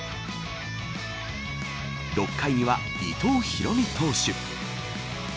６回には伊藤大海投手。